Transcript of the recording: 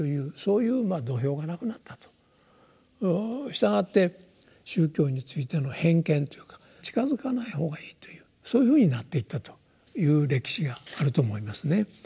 したがって宗教についての偏見というか近づかない方がいいというそういうふうになっていったという歴史があると思いますね。